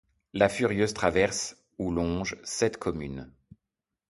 La Furieuse traverse ou longe sept communes.